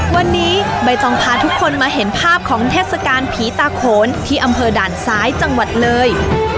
วันนี้ใบตองพาทุกคนมาเห็นภาพของเทศกาลผีตาโขนที่อำเภอด่านซ้ายจังหวัดเลย